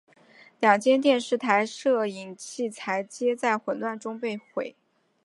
两间电视台摄影器材皆在混乱中被毁。